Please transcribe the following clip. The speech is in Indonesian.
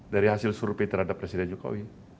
dari hasil survei terhadap presiden jokowi